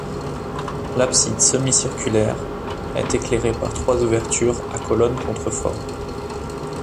L'abside semi-circulaire est éclairée par trois ouvertures à colonnes-contreforts.